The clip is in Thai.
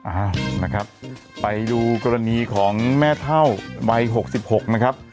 อ่านะครับไปดูกรณีของแม่เท่าวัย๖๖นะครับ